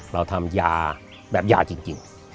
เราทำยาแบบยาจริง